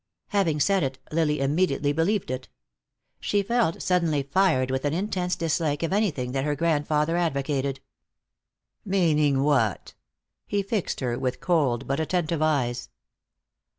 Having said it, Lily immediately believed it. She felt suddenly fired with an intense dislike of anything that her grandfather advocated. "Meaning what?" He fixed her with cold but attentive eyes.